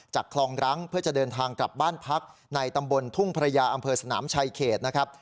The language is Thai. คลองรั้งเพื่อจะเดินทางกลับบ้านพักในตำบลทุ่งพระยาอำเภอสนามชายเขตนะครับ